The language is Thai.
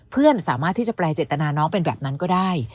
เพื่อนสามารถที่จะแปลเจตนาน้องเป็นแบบนั้นก็ได้